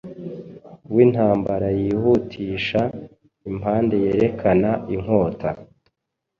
wintambarayihutisha impandeyerekana inkota